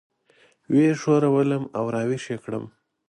وه یې ښورولم او راويښ یې کړم.